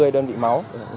ba mươi đơn vị máu